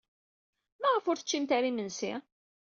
Maɣef ur teččimt ara imensi?